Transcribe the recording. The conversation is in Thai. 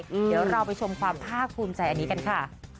เดี๋ยวเราไปชมความภาคภูมิใจอันนี้กันค่ะ